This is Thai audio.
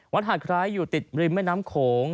หาดไคร้อยู่ติดริมแม่น้ำโขง